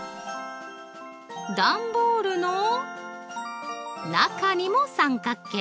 段ボールの中にも三角形。